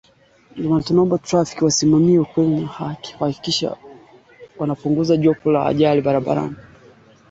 Kundi hilo la wanamgambo lilisema kwenye mtandao wake wa mawasiliano ya telegramu.